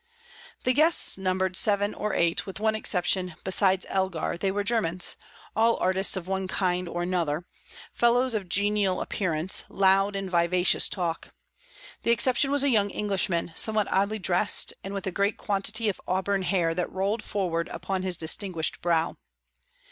The guests numbered seven or eight; with one exception besides Elgar, they were Germans, all artists of one kind or another, fellows of genial appearance, loud in vivacious talk. The exception was a young Englishman, somewhat oddly dressed, and with a great quantity of auburn hair that rolled forward upon his distinguished brow.